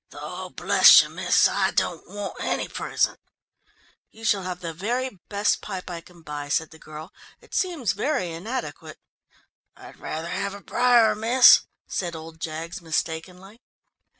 "Though bless you, miss, I don't want any present." "You shall have the best pipe I can buy," said the girl. "It seems very inadequate." "I'd rather have a briar, miss," said old Jaggs mistakenly.